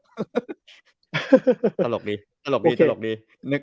ตลกดีตลกดีตลกดี